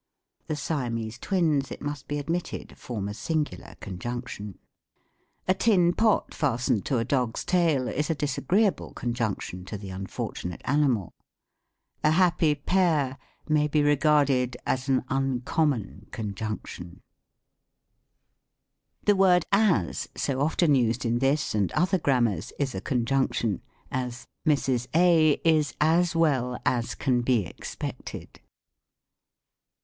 The Siamese twins, it must be admitted, form a singular conjunction. A tin pot fastened to a dog's tail is a disagreeable conjunction to the unfortunate animal. A happy pair may be regarded as an uncommon conjunction. 68 THE COMIC ENGLISH RRAMMAR. The word as, so often used in this and other Gram. mars, is a conjunction : as, " Mrs. A. is as well as caa be expected."